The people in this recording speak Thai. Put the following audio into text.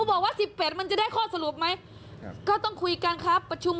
เธอบอกว่าที่อื่นไม่เห็นปิดเลยมาปิดที่นี่ที่เดียวขอเรียกร้องไปที่เทสบาลหน่อยได้ไหม